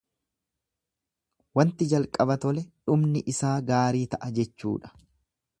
Wanti jalqaba tole dhumni isaa gaarii ta'a jechuudha.